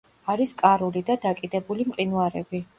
არის კარული და დაკიდებული მყინვარები.